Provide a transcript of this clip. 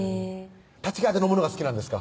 立川で飲むのが好きなんですか？